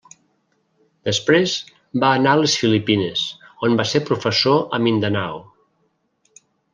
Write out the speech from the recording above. Després va anar a les Filipines, on va ser professor a Mindanao.